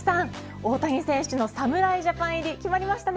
大谷選手の侍ジャパン入り決まりましたね。